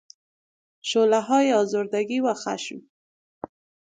شعلههای آزردگی و خشم